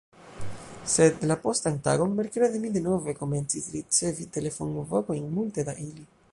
Sed, la postan tagon, Merkrede, mi denove komencis ricevi telefonvokojn, multe da ili.